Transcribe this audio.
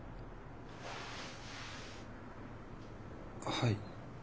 はい。